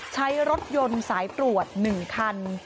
ใช้รถยนต์สายตรวจ๑คัน